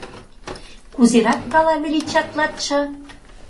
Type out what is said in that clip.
Кузерак гала величатлатше?